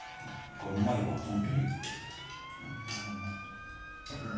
これうまいわ本当に。